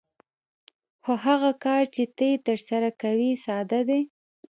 خو هغه کار چې ته یې ترسره کوې ساده دی